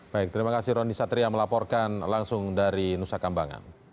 baik terima kasih roni satria melaporkan langsung dari nusa kambangan